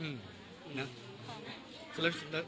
มันก็กลับมาได้นะ